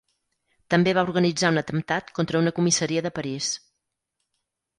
També va organitzar un atemptat contra una comissaria de París.